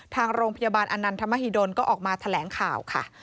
ทางโรงพยาบาลอนันทมหิดลก็ออกมาแถลงข่าวค่ะ